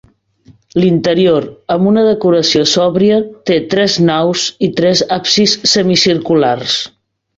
L'interior, amb una decoració sòbria, té tres naus i tres absis semicirculars.